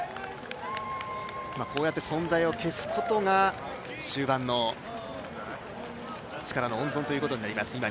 こうやって存在を消すことが力の温存ということになります。